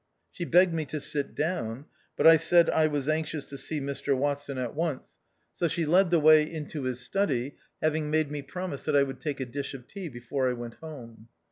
She begged me to sit down ; but I said I was anxious to see Mr Watson at once, so io8 THE OUTCAST. she led the way into his study, having made me promise that I would take a dish of tea before I went home.